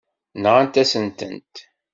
Nɣant-asent-tent.